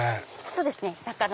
そうですね。